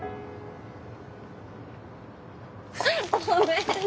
ごめんね。